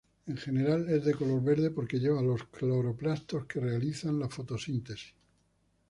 En general es de color verde porque lleva los cloroplastos que realizan la fotosíntesis.